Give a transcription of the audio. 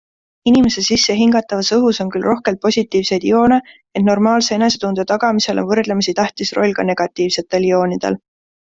Inimese sissehingatavas õhus on küll rohkelt positiivseid ioone, ent normaalse enesetunde tagamisel on võrdlemisi tähtis roll ka negatiivsetel ioonidel.